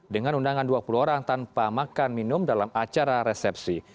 dengan undangan dua puluh orang tanpa makan minum dalam acara resepsi